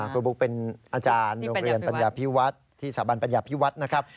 ครูบุ๊กเป็นอาจารย์โรงเรียนปัญญาพิวัฒน์ที่สถาบันปัญญาพิวัฒน์นะครับ